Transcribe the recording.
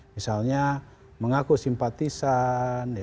misalnya mengaku simpatisan